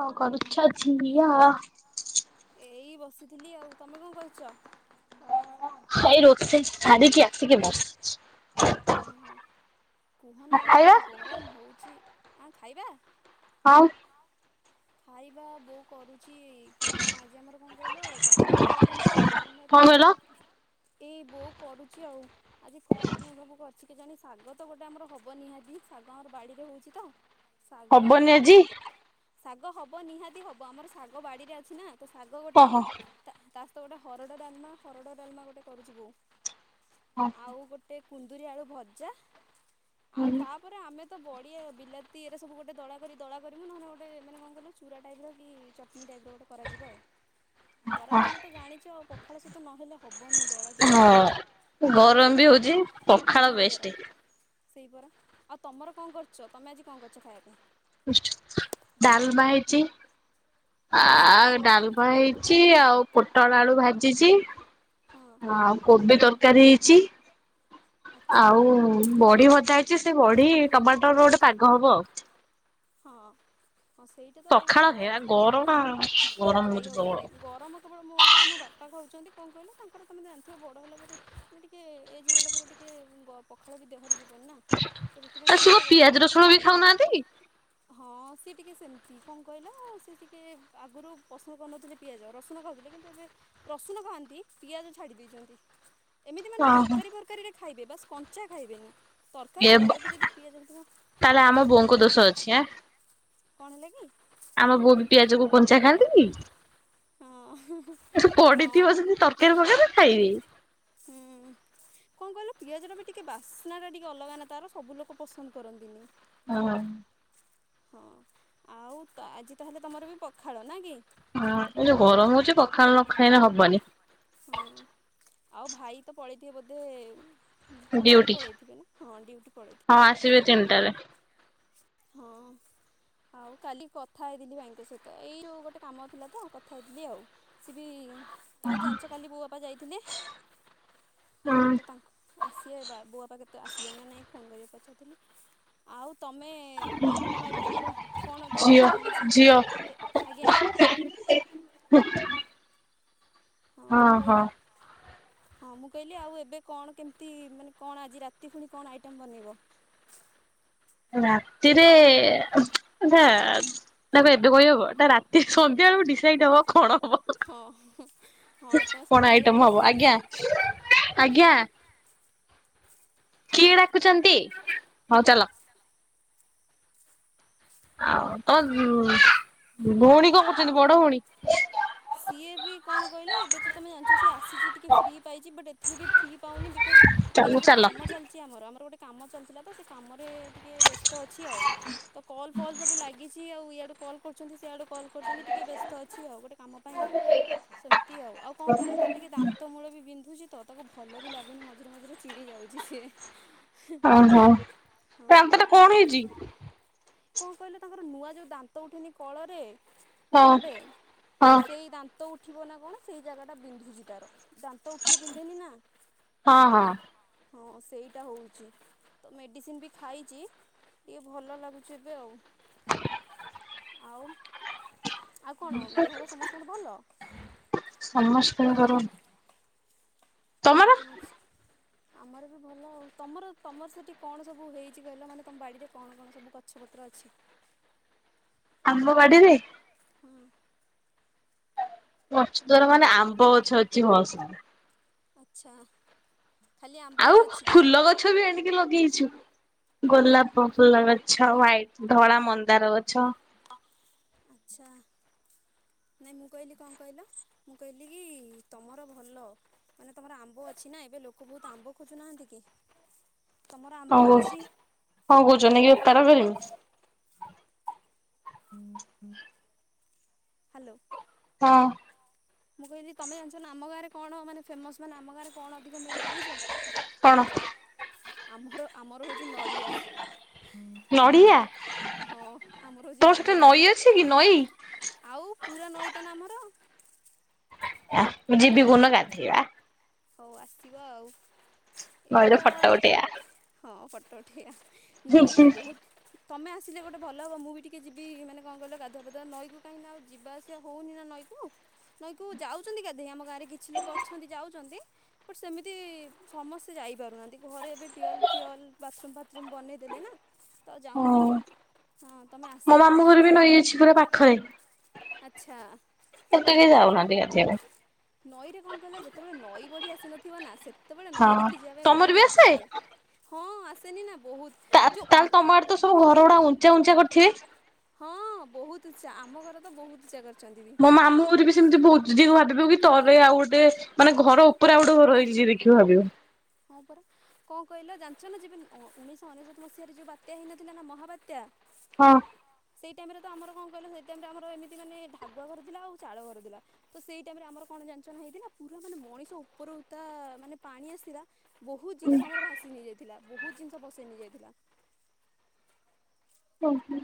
କଣ କରୁଛ ଝିଅ? ଏଇ ବସିଥିଲି ଆଉ ତମେ କଣ କରୁଚ? ହେଇ ରୋଷେଇ ଶାରୀକି ଆସିକି ବସିଛି। ଓହୋ କୁହନା ଆମର ଖାଇବା ଯୋଉ ଗରମ ହଉଛି ଆ ଖାଇବା। ହଁ। ହଁ ଖାଇବା ବୋଉ କରୁଚି। କଣ ଆଜି ଆମର କଣ କହିଲ ବାପା ଖାଉଚନ୍ତି ତ ଗରମ ଭାତ କଣ କହିଲ? ଏଇ ବୋଉ କରୁଚି ଆଉ ଆଜି କଣ [inaudible] କର୍ଚି କେଜାଣି ଶାଗ ତ ଗୋଟେ ଆମର ହବ ନିହାତି ଶାଗ ଆମର ବାଡିରେ ହଉଛି ତ। ଶାଗ ଆମର ଯାହା ଶାଗ ହବ ନିହାତି ହବ ଆମର ଶାଗ ବାଡିରେ ଅଛି ନା। ତ ଶାଗ ଗୋଟେ ହବ ତା ତା ସହିତ ଗୋଟେ ହରଡ଼ ଡାଲ୍ମା ହରଡ ଡାଲମା ଗୋଟେ କରୁଚି ବୋଉ। ଆଉ ଗୋଟେ କୁନ୍ଦୁରି ଆଳୁ ଭଜା ଆଉ ତା ରେ ଆମେ ତ ବଡ଼ି ବିଲାତି ଏରା ସବୁ ଗୋଟେ ଦଳା କରି ଦଳା କରିମୁ ନହେଲେ ଗୋଟେ ମାନେ କ ଣ କଲ ଚୁରା ଟାଇପ୍ର ର କି ଚଟ୍ନୀ ଟାଇପ୍ର ଗୋଟେ କରାଯିବ ଆଉ। [unintelligible] ଖରା ଦିନ ତ ଜାଣିଚ ଆଉ ପଖାଳ ସହିତ ନହେଲେ ହ ହବନି ଦଳା କିଛି ଗୋଟେ ହଁ ଗରମ ବି ହୁଁ ହଉଛି ପଖାଳ ବହୁତ ବେଷ୍ଟ। ଗରମ। ସେଇପରା ଆଉ ତମର କଣ କରୁଚ? ତମେ ଆଜି କଣ କରଚ୍ ଖାଇବା ପାଇଁ? ଡାଲମା ହେଇଚି ଆ ଆଚ୍ଛା। ଡାଲ୍ [unintelligible] ହେଇଛି ଆଉ ପୋଟଳ ଆଳୁ ଭାଜିଚି। ହଁ। ହଁ କୋବି ତର୍ ଏ ତରକାରୀ ହେଇଛି। ଆଉ ବଢ଼ି ଭଜା ହେଇଚି ସେ ବଢି ଟମାଟର ର ଗୋଟେ ପାଗ ହବ ଆଉ। ହଁ ହଁ ସେଇ ଏତେ ତ ଆଉ ପଖାଳ ହେ ବଲଡ ଗରମ ଗରମ ଖାଇ ହଉଛି ପ୍ରବଳ ହବନି ଗରମ କେବଳ ମୋର ପା ଆମ ବାପା ଖାଉଛନ୍ତି କଣ କହିଲ ତାଙ୍କର ତମେ ଜାଣିଥିବ ବଡ ହେଲା ପରେ ବି ଟିକେ ଏଜେ ହେଇଗଲା ପରେ ଟିକେ ଗ ପଖାଳ ବି ଦେହରେ ଯିବନି ନା? ତ ଆ ସେଥିପାଇଁ ସେ ସିଏ କଣ ତ ପିଆଜ ଗରମ ରସୁଣ ବି ଖାଉଛନ୍ତି ଖଉ ଖାଉନାହାନ୍ତି। ନାହାନ୍ତି? ହଁ ସିଏ ଟିକେ ସେମ୍ ତି କଣ କହିଲ ସିଏ ଟିକେ ଆଗରୁ ପସନ୍ଦ କରୁନଥିଲେ ପିଆଜ ରସୁଣ ଖାଉଥିଲେ କିନ୍ତୁ ଏବେ ରସୁଣ ଖାଆନ୍ତି ପିଆଜ ଛାଡ଼ି ଦେଇଚନ୍ତି। ଏମିତି ମାନେ ଓହୋ। ତରକାରୀ ଫର୍ କାରୀରେ ଖାଇବେ ବା ସ୍ କଞ୍ଚା ଖାଇବେନି। ତରକାରୀ ଏ ଭଲ କି ଯଦି ପିଆଜ ହେଇଥିବ ତାହେଲେ ଆମ ଖାଇଦିଅନ୍ତି। ବୋଉଙ୍କ ଦୋଷ ଅଛି ଆଁ। ୟା କଣ ହେଲା କି? ଆମ ବୋଉ ବି ପିଆଜ କୁ କଞ୍ଚା ଖାଆନ୍ତି କି? ହଁ ହୁଁ ହୁଁ। ପଡିଥିବ ଜଦି ତରକାରୀ ଫକାରୀ ଖାଇବି। ହୁଁ। କଣ କହିଲ ପିଆଜ ଟା ବି ଟିକେ ବାସ୍ନା ଟା ଟିକେ ଅଲଗା ନା ତାର ସବୁ ଲୋକ ପସନ୍ଦ କରନ୍ତିନି। ହଁ। ହଁ ଆଉ ତା ଆଜି ତାହେଲେ ତମର ବି ପଖାଳ ନା କି ହଁ ଏ ଯୋଉ ଗରମ ହଉଛି ପଖାଳ ନଖାଇଲେ ହବନି। ହଁ ଆଉ ଭାଇ ତ ପଳେଇଥିବେ ବୋଧେ ଉଁ ପ୍ଲାଣ୍ଟ ଡ୍ୟୁଟି। ପଳେଇଥିବେ ନା ହଁ ଡୁଟି ହଁ ପଳେଇଥିବେ ଆସିବେ ତିନିଟାରେ ହଁ। ଆଉ କାଲି କଥା ହେଇଥିଲି ଭାଇଙ୍କ ସହିତ ଏଇ ଯୋଉ ଗୋଟେ କାମ ଥିଲା ତ ଆଉ କଥା ହେଇଥିଲି ଆଉ। ସି ବି ତମେ ତ ଯାଞ୍ଚ କାଲି ବୋଉ ବାପା ଯାଇଥିଲେ? ହଁ ତ ତାଙ୍କୁ ଆସିବେ ବା ବୋଉ ବାପା କେ ତ ଆସିଲେନା ନାଇଁ ଫୋନ୍ କରି ପଚାରୁଥିଲି ଆଉ ତୁମେ ଆଉ ଖାଇବେ ତମର କଣ ଏବେ ଝିଅ ଚାଲିଛି ଝିଅ ଆଜ୍ଞା। [unintelligible] ହଁ ମୁଁ କହିଲି ହଁ ହଁ। ହଁ ମୁଁ କହିଲି ଆଉ ଏବେ କଣ କେମିତି ମାନେ କଣ ଆଜି ରାତି ପୁଣି କଣ ଆଇଟମ ବନେଇବ? ରାତିରେ ହୁଁ ଏଟା ଏଟା କଣ ଏବେ କହିହବ ଏଟା ରା ଏ ସନ୍ଧ୍ୟାବେଳୁ ଡିସାଇଟ କଣ ହବ ହୁଁ। ହଁ ହୁଁ ହୁଁ। କଣ ଆଇଟମ ହବ ଆଜ୍ଞା କର। ଆଜ୍ଞା। କିଏ ଡାକୁଛନ୍ତି ହଉ ଚାଲ। ହଉ ଚାଲ। ଆଉ ହଁ ତମ ଭଉଣୀ କଣ କରୁଛନ୍ତି ବଡ ଭଉଣୀ? ସିଏ ବି କଣ କହିଲ ଏବେ ତ ତୁମେ ଜାଣିଛ ସିଏ ଆସିଛି ଟିକେ ଫ୍ରି ପାଇଛି ବଟ୍ ଏଥିରେ ବି ଫ୍ରି ପାଉନି ବିକଜ୍ ଏଇ ଚାଲୁ ଯୋଉ ଗୋଟେ ଚାଲ। କାମ ଚାଲିଛି ଆମର ଆମର ଗୋଟେ କାମ ଚାଲିଥିଲା ତ ସେ କାମରେ ଟିକେ ବ୍ୟସ୍ତ ଅଛି ଆଉ। ତ କଲ୍ ଫଲ୍ ସବୁ ଲାଗିଛି ଆଉ ଇଆଡୁ କଲ୍ କରୁଛନ୍ତି ସଇଆଡୁ କଲ କରୁଛନ୍ତି ଟିକେ ବ୍ୟସ୍ତ ଅଛି ଆଉ ଗୋଟେ କାମ ପାଇଁ ସେମିତି ଆଉ ଆଉ କଣ କହିଲ ତାର ଟିକେ ଦା ନ୍ତ ମୂଳ ବିନ୍ଧୁଛି ତ ତାକୁ ଭଲ ବି ଲାଗୁନି ମଝିରେ ମଝିରେ ଚିଡି ଯାଉଛି ସିଏ। ଓହୋ ତା ହଁ ଦାନ୍ତ ଟା କଣ ହେଇଛି? କଣ କହିଲ ତାଙ୍କର ନୂଆ ଯୋଉ ଦାନ୍ତ ଉଠେନି କଳରେ ହଁ ଗୋଟେ ଗୋଟେ ହଁ ହଁ ସେଇ ଦା ଦାନ୍ତ ଉଠିବ ନା କଣ ସେଇ ଜାଗା ଟା ବିନ୍ଧୁଛି ତାର ଦାନ୍ତ ଉଠିଲେ ବିନ୍ଧେନି ନା ହଁ ହଁ ହଁ ସେଇଟା ହେଉଛି ତ ମେଡ଼ିସିନ ବି ଖାଇଛି ଟିକେ ଭଲ ଲାଗୁଛି ଚି ଏବେ ଆଉ ଆଉ ଆଉ କଣ ଦେହ ପା ସମସ୍ତଙ୍କର ଭଲ। ସମସ୍ତଙ୍କର ତମର? ପାଞ୍ଚ ଆମର ବି ଭଲ ଆଉ ତମର ତମର ସେଠି କଣ ସବୁ ହେଇଛି କହିଲ ମାନେ ତମ ବାଡିରେ କଣ କଣ ସବୁ କ ଗଛପତ୍ର ଅଛି ଆମ ବାଡିରେେ ହଁ ଗଛ ଦଵାର ମାନେ ଆମ୍ବ ଗଛ ଅଛି ଭସ ଆଛା ଆଉ ଫୁଲ ଗଛ ବି ଆଣିକି ଲଗେଇଛୁ। ଗୋଲାପ ଫୁଲ ଗଛ ହ୍ୱାଇଟ୍ ଧଳା ମନ୍ଦାର ଗଛ ଅ ଆଚ୍ଛା ନାଇଁ ମୁଁ କହିଲି କଣ କହିଲ ମୁଁ କହିଲି କି ତମର ଭଲ ମାନେ ତମର ଆମ୍ବ ଅଛି ନା ଏବେ ଲୋକ ବହୁତ ଆମ୍ବ ଖୋଜୁନାହାନ୍ତି କି ତମର ଆମ୍ବ ହଁ କହୁ ଅଛି ହଁ କହୁଛ ନେଇକି ତାର କରିନି ହୁଁ ହୁଁ ହାଲ ହଁ। ମୁଁ କହିଲି ତମେ ଜଣିଛ ଆମ ଗାଁରେ କଣ ମେ ଫେମସ ମାନେ ଆମ ଗାଁରେ କଣ ଅଧିକ ମିଳେ ଜାଣିଛ? କଣ ଆମର ଆମର ହଉଛି ନଡ଼ିଆ। ନଡିଆ ଆମ ହଁ ଆମର ହେଉଛି ତୋର ସେଠି ନଡ଼ିଆ ଗାଁ ନଈ ଅଛି କି ନଈ? ଆଉ ପୁରା ନଈଟା ଆମର। ଆ ମୁଁ ଯିବି କଉ ଦିନ ଗାଧେଇ ବା। ହଉ ଆସିବ ଆଉ ଏବେ ନଈରେ ଫଟୋ ତିକେ ଉଠେଇବା। ହଁ ଫଟୋ ଉଠେଇଆବା। ହୁଁ ନଈରେ ହୁଁ। ବହୁତ। ତମେ ଆସିଲେ ଗୋଟେ ଭଲ ହବ। ମୁଁ ବି ଟିକେ ଯିବି ମାନେ କଣ କହିଲ ଗାଧୁଆପାଧୁଆ? ନଈ କାହିଁକି ଆଉ ଯିବାସିବା ହଉନି ନା ନଈକୁ? ନଈ କୁ ଯାଉଛ ଗାଧେଇ ଆମ ଗାଁରେ କିଛି ଲୋକ ଅଛନ୍ତି ଯାଉଛନ୍ତି। ବଟ ସେମିତି ସମସ୍ତେ ଯାଇପାରୁନାହାନ୍ତି। ଘରେ ଏବେ ୱଲ୍ ଫିୱଲ୍ ବାଥରୁମ୍ ଫଥରୁମ୍ ବନେଇ ଦେଲେ ନା। ତ ଯାଉନାହାନ୍ତି। ହଁ ହଁ, ତମେ ମୋ ଆସିଲେ ଆମେ ମାମୁଁ ଘର ଯିବା ବି ଆଉ। ନଈ ଅଛି ପୁରା ପାଖରେ। ଆଚ୍ଛା ଏବେ କେହି ଯାଉନାହାନ୍ତି ଗାଧେଇବା ପାଇଁ। ନଈରେ କଣ କଲା? ଯେତେବେଳେ ନଈ ବଢିଆସି ନଥିବ ନା ସେତେବେଳେ ନଈ ହଁ ଦେଖି ଯିବା ପାଇଁ ତମର ବି ବହୁତ ଆସେ? ମଜା ଲାଗେ? ହଁ ଆସେନି ନା ବହୁତ। ତା ଯୋଉ ତାହେଲେ ତମ ଆଡେ ତ ସବୁ ଘର ଗୁଡା ଉଞ୍ଚା ଉଞ୍ଚା କରିଥିବେ। ହଁ ବହୁତ ଉଚା। ଆମ ଘର ତ ବହୁତ ଉଚା କରିଛନ୍ତି ବି ମୋ ମାମୁଁ ଘର ବି ସେମିତି ବହୁତି ଭାବିବ କି ତରେ ଆଉ ଗୋଟେ। ମାନେ ଘର ଉପରେ ଆ ଗୋଟେ ଘର ରଇଛି ଯିଏ ଦେଖିବ ଭାବିବେ। ହଁ ପରା। କଣ କହିଲ ଜାଣିଛ ନ ଯେବେ? ଉଣେଇଶହ ଅନେଶତ ମସିହାରେ ଯୋଉ ବାତ୍ୟା ହେଇନଥିଲା ନା ମହାବାତ୍ୟା। ହଁ। ସେଇ ଟାଇମ ରେ ତ ଆମର କଣ କହିଲ? ସେଇ ଟାଇମ ରେ ଆମର ଏମିତି ମାନେ ଢାଗୁଆ ଘର ଥିଲା ଆଉ ଚାଳ ଘର ଥିଲା। ତ ସେଇ ଟାଇମ ରେ ଆମର କଣ ହେଇଚି ଯାଞ୍ଚନ ହେଇଥିଲା ସେଦିନ? ପୁରା ମାନେ ମଣିଷ ଉପର ଉ ତା ମାନେ ପାଣି ଆସିଲା। ବହୁତ ଜିନିଷ ଆମର ଭାସି ନେଇଯାଇଥିଲା, ବହୁତ ଜିନିଷ ଭସେଇ ନେଇଯାଇଥିଲା। ହୁଁ ହୁଁ।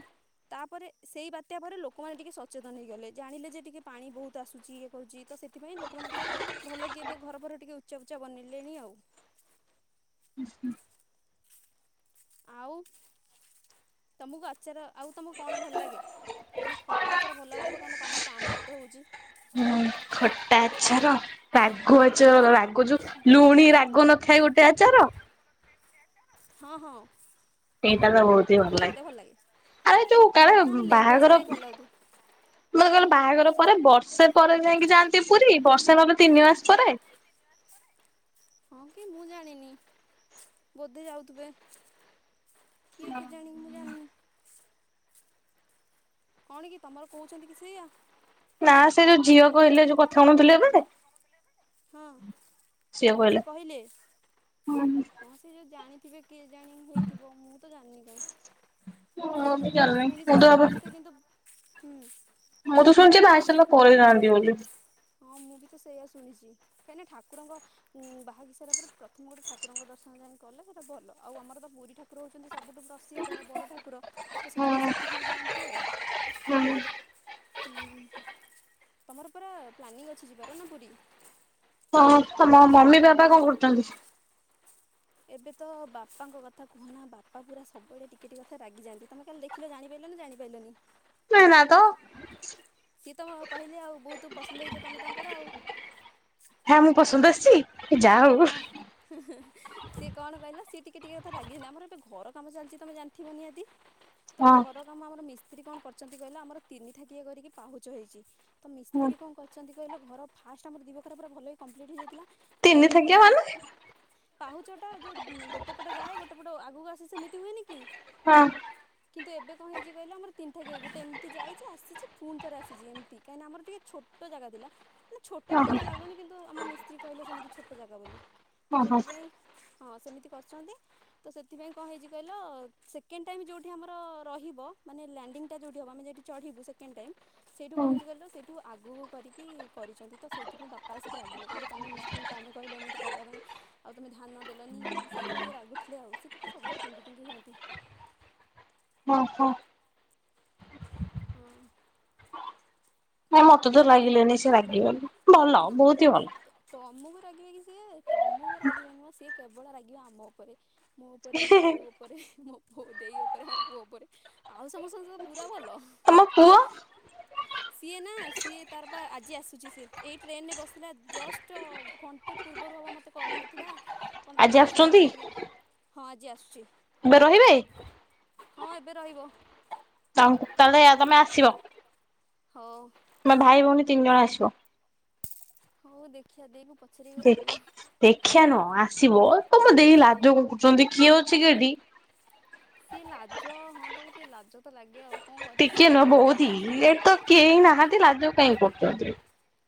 ତାପରେ ସେଇ ବାତ୍ୟା ପରେ ଲୋକମାନେ ଟିକେ ସଚେତନ ହେଇଗଲେ। ଜାଣିଲେ ଯେ ଟିକେ ପାଣି ବହୁତ ଆସୁଛି। କରୁଛି ତ, ସେଥିପାଇଁ ଲୋକମାନେ ଟିକେ ଭଲ କି ଏବେ ଘର ଘର ଟିକେ ଉଚା ଉଚା ବନିଲେଣି ଆଉ। ଆ୍ [unintelligible] ଆଉ ତମକୁ ଆଚାର, ଆଉ ତମକୁ କଣ ଭଲ ଲାଗେ? ମାନେ ଖଟା ଆଚାର ଭଲ ଲାଗୁଥିବ। କାହିଁକି ତମର ଆମ୍ବ ଏତେ ହେଉଛି? ହୁଁ, ଖଟା ଆଚାର ରାଗ ଆଚାର ଭଲ ରାଗ ଯୁ ଲୁଣି ରାଗ ନଥାଏ ଗୋଟେ ଆଚାର। ହଁ ହଁ। ସେଇଟା ତ ବହୁତ ହି ଭଲ ଲାଗେ। ଆରେ ଏ ଯୋଉ କାହାର ବାହାଘର ବାହାଘର ମତେ କହିଲ ବାହାଘର ପରେ ବର୍ଷେ ପରେ ଯାଇକି ଯାଆନ୍ତି ପୁରୀ ବର୍ଷେ ନ ତିନି ମାସ ପରେ। ହଁ କି ମୁଁ ଜାଣିନି, ବୋଧେ ଯାଉଥିବେ। କିଏ କେଜାଣି ମୁଁ ଜାଣିନି? କଣ କି ତମର କହୁଛନ୍ତି କି ସେୟଆ? ନା ସେ, ଯୋଉ ଝିଅ କହିଲେ ଯୋଉ କଥା ହୋଉନଥିଲେ ଏବେ। ହଁ ସିଏ କହିଲା ସେ କହିଲେ? ହଁ ସେ ଯୋଉ ଜାଣିଥିବେ କେଜାଣି ହୋଇଥିବ? ମୁଁ ତ ଜାଣିନି କାହିଁ। ବି ମୁଁ ତ ଜାଣିନି ଶୁଣିଛି, ମୁଁ ତ ଭାବେ ସମସ୍ତେ କିନ୍ତୁ ହୁଁ ମୁଁ ତ ଶୁଣିଛି ଭାଇସ ପଳେଇ ନାଥାନ୍ତି ବୋଲି। ହଁ ମୁଁ ବି ତ ସେଇଆ ଶୁଣିଛି। କାହିଁକି ଠାକୁରଙ୍କ ବାହାକି ସାରା ପରେ ପ୍ରଥମ ଗୋଟେ ଠାକୁରଙ୍କ ଦର୍ଶନ ଯାଇ କଲେ ସେଇଟା ଭଲ। ଆଉ ଆମର ତ ପୁରୀ ଠା କୁର ହଉଛନ୍ତି ସବୁଠୁ ପ୍ରସିଦ୍ଧ ବଡ ଠାକୁର, ତ ସେଥିପାଇଁ ସେଠିକି ବି ଯାଆନ୍ତି ଆଉ। ହୁଁ ହୁଁ। ହୁଁ ତମର ପୁରା ପ୍ଲାନିଂ ଅଛି ଯିବାର ନା ପୁରୀ? ହ ତମ ମମି ବାବା କଣ କରୁଛନ୍ତି? ଏବେ ତ ବାପାଙ୍କ କଥା କୁହ ନା ବାପା ପୁରା ସବୁବେଳେ ଟିକେ ଟିକେ କଥା ରାଗିଯାନ୍ତି ତମେ କାଲି ଦେଖ କିିଲ ତ ଜାଣିପାରିଲନି ଜାଣିପାରିଲନି,? ନା ନା ତ ସିଏ ତ କହିଲେ ଆଉ ବହୁତ ପସନ୍ଦ ହେଇଛ ତମେ ତାଙ୍କର ଆଉ ହେଁ ମୁଁ ପସନ୍ଦ ଆସିଛି ଯା ହଉ ହଁ ସିଏ କଣ କହିଲ ସି ଟିକେ ଟିକେ କଥା ରାଗି ଯାନ୍ତି ଆମର ଏବେ ଘର କାମ ଚାଲିଛି ତମେ ଜାଣିଥିବ ନିିହାଦି ତ ହଁ ଘର କାମ ଆମର ମିସ୍ତ୍ରୀ କଣ କରଛନ୍ତି କହିଲ ଆମର ତିନି ଠାକିଆ କରିକି ପାହାଚ ହେଇଛି ତ ମିସ୍ତ୍ରୀ କଣ ଅଛନ୍ତି କହିଲେ ଘର ଫାଷ୍ଟ ଆମର ଦିବଖରା ପୁର ଭଲ କି କମ୍ପ୍ଲିଟ୍ ହୋଇଯାଇଥିଲା। ତିନି ଥାକିଆ ମାନେ? ଟ ଯୋଉଟା ଗୋଟେ ପଟେ ଯାଏ ଗୋଟେ ପଟ ଆଗକୁ ଆସେ ସେମିତି ହୁଏନି କି? ହଁ। କିନ୍ତୁ ଏବେ କଣ ହେଇଛି କହିଲ ଆମର ତିନିଟା ଥାକିଆ ଗୋଟେ ଏମିତି ଯାଇଛି ଆସିଛି ପୁଣି ଥରେ ଆସିଛି ଏମିତି କାହିଁକି ଆମର ଟିକେ ଛୋ ଛୋଟ ଜାଗା ଥିଲା। ନା ଛୋଟ ତ ଓହୋ ମତେ ଲାଗୁନି କିନ୍ତୁ ଆମ ମିସ୍ତ୍ରୀ କହିଲେ ସେମିତି ଛୋଟ ଜାଗା ବୋଲି ତ ଓହୋ ସେଥିପାଇଁ ହଁ ସେମିତି କରିଛନ୍ତି। ତ ସେଥିପାଇଁ କଣ ହେଇଛି କହିଲ ସେକେଣ୍ଡ ଟାଇମ ଯୋଉଠି ଆମର ରହିବ ମାନେ ଲ୍ୟାଣ୍ଡିଙ୍ଗ ଟା ଯୋଉଠି ହବ ଆମେ ଯଠି ଚଢ଼ିବୁ ସେକେଣ୍ଡ ଟାଇମ୍ ସେଇଠୁ ହଁ କଣ ହେଇଛି କହିଲ ସେଇଠୁ ଆଗକୁ କରିକି କରିଛନ୍ତି ତ ସେଇଥିପାଇଁ ବାପା ଆସିକି ରାଗିଲେ କହିଲେ ତମେ ମିସ୍ତ୍ରୀ କଣ ପାଇ କହିଲ ଏମିତି କରିବା ପାଇଁ ଆଉ ତୁମେ ଧାନ ଦେଲନି ସେଇଥିପାଇ ଟିକେ ରାଗୁଥିଲେ ଆଉ ସେ ଟିକେ ସବୁବେଳେ ଟିଙ୍ଗି ଟିଙ୍ଗି ହୁଅନ୍ତି। ଓହୋ। ହଁ। ନାଇଁ ମତେ ତ ଲାଗିଲାନି ସେ ରାଗି ବୋଲି, ଭଲ ନାଇଁ ବହୁତ ହି ଭଲ। ତମକୁ ରାଗିବେ କି ସିଏ, ତମକୁ ରାଗିବେନି ମ ସିଏ, କେବଳ ରାଗିବେ ଆମ ଉପରେ। ମୋ ଉପରେ, ମୋ ବୋଉ ଉପରେ, ମୋ ଦେଇ ଉପରେ ମୋ ପୁଅ ଉପରେ। ଆଉ ସମସ୍ତଙ୍କ ସହ ପୁରା ଭଲ, ତମ ପୁଅ ସିଏ ନା ସିଏ ତାର ପା ଆଜି ଆସୁଛି ସିଏ, ଏଇ ଟ୍ରେନ୍ ରେ ବସିଲା ଜଷ୍ଟ ଘଣ୍ଟେ ପୂର୍ବରୁ ହେବ ମୋତେ କଲ୍ କରି ଥିଲା କଣ ତାର ଆଜି ପଇସା ଆସୁଛନ୍ତି ଦରକାର ଥିଲା, ହଁ ଆଜି ଆସୁଛି। ଏବେ ରହିବେ? ହଁ ଏବେ ରହିବ। ତା ତାହେଲେ ତମେ ଆସିବ? ହଉ। ତମେ ଭାଇ ଭଉଣୀ ତିନି ଜଣ ଆସିବ। ହଉ ଦେଖିବା ଦେଇକୁ ପ ଦେଖ ଦେଖିଆ ନୁହଁ ଆସିବ, ତମେ ଦେଇ ଲାଜ କରୁଛନ୍ତି କିଏ ଅଛି କି ଏଠି? ସିଏ ଲାଜ ହଁ ତାକୁ ଟିକେ ଲାଜ ତ ଲାଗେ ଆଉ। କଣ କରିବା ସିଏ ଟିକେ ନୁହଁ ଗୋଟେ ବହୁତ ହି, ଲାଜେଇ ଏଇଠି ତ କେହି ନାହାନ୍ତି ଲାଜ କାଇଁ କରୁଛନ୍ତି?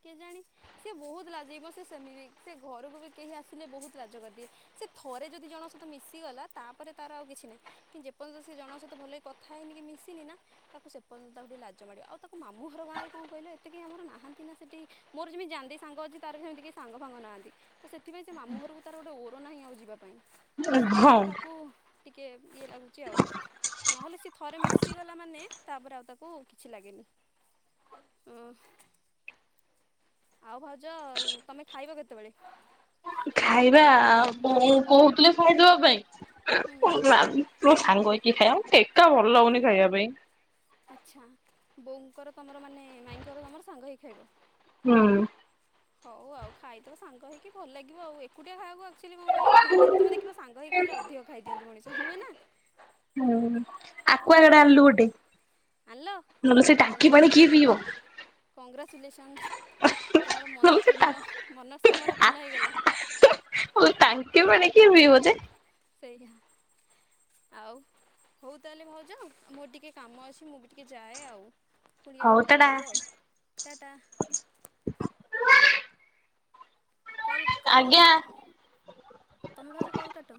କେଜାଣି ସିଏ ବହୁତ ଲାଜେଇ ମ ସେ ସେମିତି, ସେ ଘରକୁ ବି କେହି ଆସିଲେ ବହୁତ ଲାଜ କରିଦିଏ। ସେ ଥରେ ଯଦି ଜଣଙ୍କ ସହିତ ମିଶିଗଲା ତାପରେ ତାର ଆଉ କିଛି ନାହିଁ। କିନ୍ତୁ ଯେପର୍ଯ୍ୟନ୍ତ ସେ ଜଣଙ୍କ ସହିତ ଭଲକି କଥା ହେଇନି କି ମିଶିନି ନା ତାକୁ ସେପର୍ଯ୍ୟନ୍ତ ତାକୁ ଟିକେ ଲାଜ ମାଡ଼ିବ, ଆଉ ତାକୁ ମାମୁଁ ଘର ଗାଁରେ କଣ କହିଲ ଏତକି ଆମର ନାହାନ୍ତି ନା ସେଠି ମୋର ଯେମିତି ଯାନି ଦେଇ ସାଙ୍ଗ ଅଛି ତାର ସେମିତି କେହି ସାଙ୍ଗ ଫାଙ୍ଗ ନାହାନ୍ତି। ତ ସେଥିପାଇଁ ସେ ମାମୁଁ ଘରକୁ ତାର ଗୋଟେ ଓର ନାହିଁ ଆଉ ଯିବା ପାଇଁ ହଁ ସେଇଥିପାଇଁ ହ ଟିକେ ଇଏ ଲାଗୁଛି ଆଉ। ନହେଲେ ସେ ଥରେ ମିଶିଗଲା ମାନେ, ତାପରେ ଆଉ ତାକୁ କିଛି ଲାଗେନି। ଓ ଆଉ ଭାଉଜ ତମେ ଖାଇବ କେତେବେଳେ? ଖାଇବା ଆଉ ବୋଉ କହୁଥିଲେ ଖାଇଦବା ହୁଁ ପାଇଁ, ମୁଁ ସାଙ୍ଗ ହେଇକି କି ଖାଇଆ, ଏକା ଭଲ ଲାଗୁନି ଖାଇବା ପାଇଁ। ଆଚ୍ଛା, ବୋଉଙ୍କର ତମର ମାନେ, ମାଇଁଙ୍କର ତମର ସାଙ୍ଗ ହେଇକି ଖାଇବ? ହୁଁ। ହଉ ଆଉ ଖାଇଦବ ସାଙ୍ଗ ହେଇକି ଭଲ ଲାଗିବ ଆଉ, ଏକୁଟିଆ ଖାଇବାକୁ ଆଉ ଆକ୍ଚୁଲି କଁ କହିଲେ ଅଧିକ ବି ତମେ ଦେଖିବ, ସାଙ୍ଗ ହେଇ ଖାଇଲେ ଅଧିକ ଖାଇ ଦିଅନ୍ତି ମଣିଷ, ନୁଏଁ ନା? ହୁଁ ଆକୁଆଗାଡ୍ ହଁ ଆଣଲୁ ଗୋଟେ, ଆଣିଲ ଆଉ ନହେଲେ ସେ ଟାଙ୍କି ପାଣି କିଏ ପିଇବ? କଂଗ୍ରାଚୁଲେସନ୍ସ୍। ତମର ମନ ନହେଲେ ସେ ପୂର୍ଣ୍ଣ, ଟାଙ୍କି ମନସ୍କାମନା ପୂର୍ଣ୍ଣ ହେଇଗଲା। ହଉ ଟାଙ୍କି ପାଣି କିଏ ପିଇବ ଯେ? ସେହିଆ ଆଉ, ହଉ ତାହେଲେ ଭାଉଜ ଯାଅ ମୋର ଟିକେ କାମ ଅଛି ମୁଁ ବି ଟିକେ ଯାଏ ଆଉ, ପୁଣି କେବେ ହଉ କଲ୍ ଟାଟା କରିବ ଆଉ। ଟାଟା। କଲ୍ କାଟ। ଆଜ୍ଞା। ତମେ ଭାଉଜ କଲ୍ କାଟ।